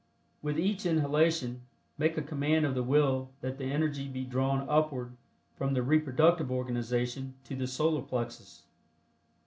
With each inhalation make a command of the Will that the energy be drawn upward from the reproductive organization to the Solar Plexus.